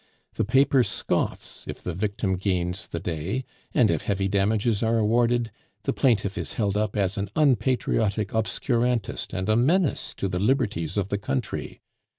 The paper scoffs if the victim gains the day; and if heavy damages are awarded, the plaintiff is held up as an unpatriotic obscurantist and a menace to the liberties of the country.